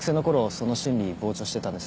その審理傍聴してたんです。